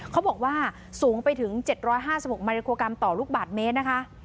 เขาบอกว่าสูงไปถึงเมืองต่อลูกบาทเมตรนะคะ